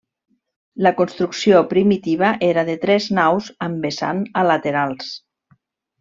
La construcció primitiva era de tres naus amb vessant a laterals.